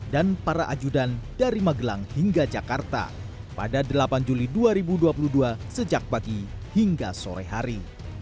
dan para ajudan dari magelang hingga jakarta pada delapan juli dua ribu dua puluh dua sejak pagi hingga sore hari